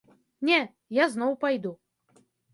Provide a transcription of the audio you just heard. Не, я зноў пайду.